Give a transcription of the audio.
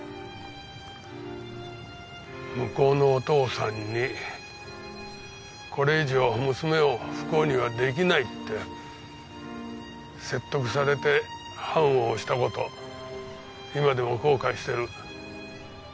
向こうのお父さんにこれ以上娘を不幸には出来ないって説得されて判を押した事今でも後悔してる。